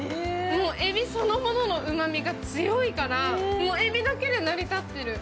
えびそのもののうまみが強いから、えびだけで成り立ってる。